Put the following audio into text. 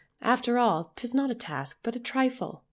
after all 'tis not a task, but a trifle."